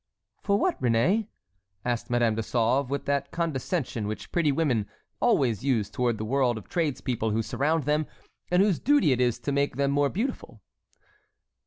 "For what, Réné?" asked Madame de Sauve, with that condescension which pretty women always use towards the world of tradespeople who surround them, and whose duty it is to make them more beautiful.